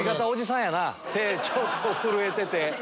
手ちょっと震えてて。